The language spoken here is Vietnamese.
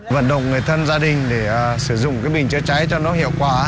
vận động người thân gia đình để sử dụng cái bình chữa cháy cho nó hiệu quả